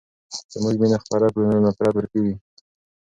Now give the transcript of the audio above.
که موږ مینه خپره کړو نو نفرت ورکېږي.